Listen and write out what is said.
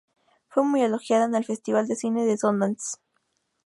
Fue muy elogiada en el Festival de Cine de Sundance.